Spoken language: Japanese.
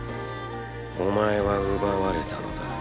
お前は奪われたのだ。